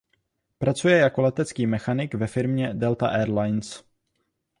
Pracuje jako letecký mechanik ve firmě Delta Air Lines.